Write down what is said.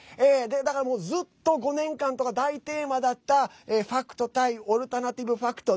だから、もうずっと５年間とか大テーマだったファクト対オルタナティブファクト。